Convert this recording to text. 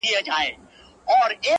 له مودو وروسته پر ښو خوړو مېلمه وو!.